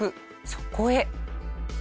そこへ。